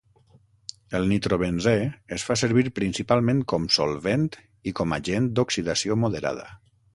El nitrobenzè es fa servir principalment com solvent i com agent d'oxidació moderada.